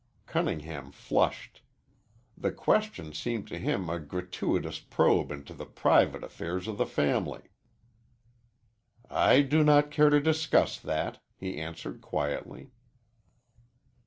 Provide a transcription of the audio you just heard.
Cunningham flushed. The question seemed to him a gratuitous probe into the private affairs of the family. "I do not care to discuss that," he answered quietly.